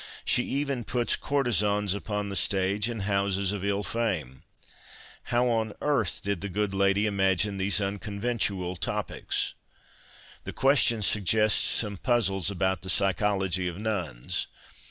She even puts courtesans upon the stage and houses of ill fame. How on earth did the good lady imagine these un conventual topics ? The question suggests some puzzles about the psychology of nuns.